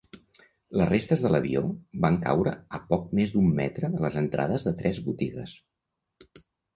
Les restes de l'avió van caure a poc més d'un metre de les entrades de tres botigues.